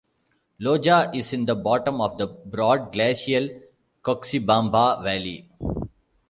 Loja is in the bottom of the broad glacial Cuxibamba valley.